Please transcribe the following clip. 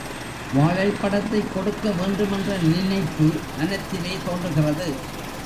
வாழைப் பழத்தைக் கொடுக்க வேண்டுமென்ற நினைப்பு மனத்திலே தோன்றுகிறது.